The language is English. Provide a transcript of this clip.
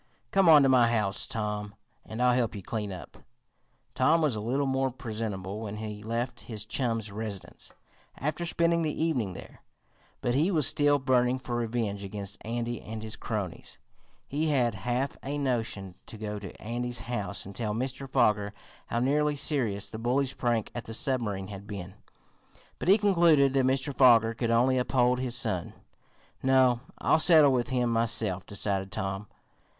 Come on to my house, Tom, and I'll help you clean up." Tom was a little more presentable when he left his chum's residence, after spending the evening there, but he was still burning for revenge against Andy and his cronies. He had half a notion to go to Andy's house and tell Mr. Foger how nearly serious the bully's prank at the submarine had been, but he concluded that Mr. Foger could only uphold his son. "No, I'll settle with him myself," decided Tom.